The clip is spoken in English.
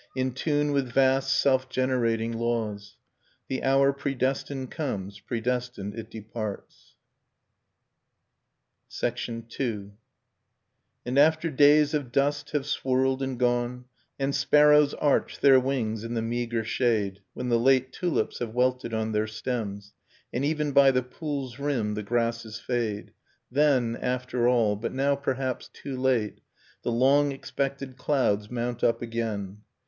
In tune with vast self generating laws ; The hour predestined comes; predestined it departs. Nocturne of Remembered Spring ] s II. ■ And after days of dust have swirled and gone, i And sparrows arch their wings in the meagre shade, j When the late tuhps have wilted on their stems. And even by the pool's rim the grasses fade, \ Then, after all, but now perhaps too late, j The long expected clouds mount up again